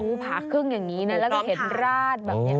ผาครึ่งอย่างนี้นะแล้วก็เห็นราดแบบนี้